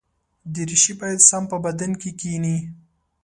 دریشي باید سم په بدن کې کېني.